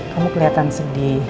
kamu kelihatan sedih